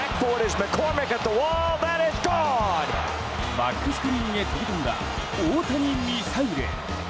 バックスクリーンへ飛び込んだ大谷ミサイル！